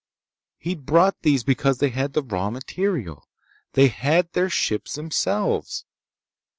He'd brought these because they had the raw material. They had their ships themselves!